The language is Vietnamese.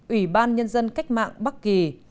ủy ban nhân dân cách mạng bắc kỳ